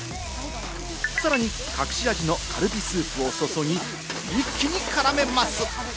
さらに隠し味のカルビスープを注ぎ、一気に絡めます。